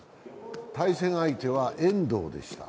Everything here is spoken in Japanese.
対戦相手は遠藤でした。